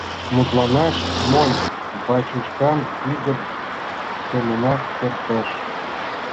Мутланаш монь бачушкан ӱдыр семынак кертеш.